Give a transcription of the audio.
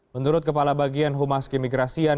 menurut kepala bagian humas keimigrasian